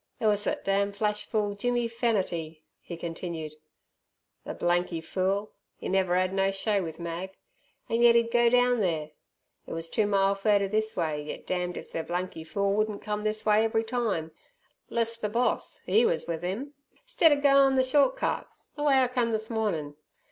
"Ther wus thet damned flash fool, Jimmy Fernatty," he continued " ther blanky fool; 'e never 'ad no show with Mag. An' yet 'e'd go down there! It wus two mile furder this way, yet damned if ther blanky fool wouldn't come this way every time, 'less ther boss 'e wus with 'im, 'stead er goin' ther short cut ther way I come this mornin'.